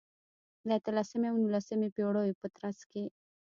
د اتلسمې او نولسمې پېړیو په ترڅ کې.